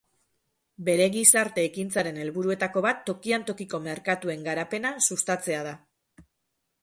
Bere gizarte-ekintzaren helburuetako bat tokian tokiko merkatuen garapena sustatzea da.